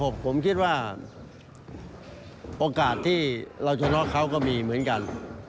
ผมคิดว่าโอกาสที่เราชนะเขาก็มีเหมือนกัน